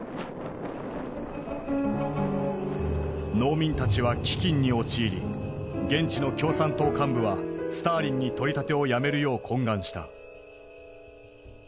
農民たちは飢饉に陥り現地の共産党幹部はスターリンに取り立てをやめるよう懇願した。